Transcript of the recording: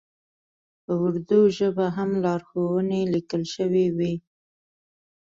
په اردو ژبه هم لارښوونې لیکل شوې وې.